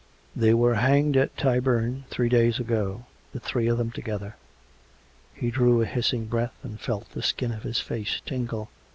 " They were hanged at Tyburn three days ago — the three of them together. He drew a hissing breath, and felt the skin of his face tingle.